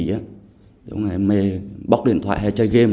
giống như em mê bóc điện thoại hay chơi game